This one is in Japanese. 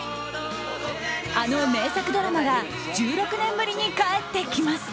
あの名作ドラマが１６年ぶりに帰ってきます。